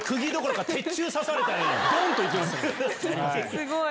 すごい。